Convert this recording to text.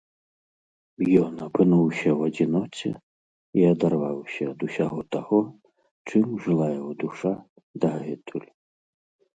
Ён апынуўся ў адзіноце і адарваўся ад усяго таго, чым жыла яго душа дагэтуль.